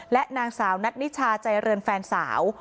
และนางสาวนัทนิชาใจเรือนแฟนสาว